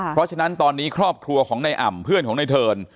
เพราะฉะนั้นตอนนี้ครอบครัวของในอ่ำเพื่อนของในเทิร์น